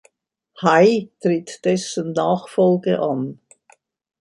High tritt dessen Nachfolge an.